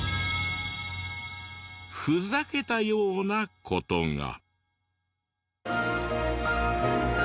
ふざけたような事が。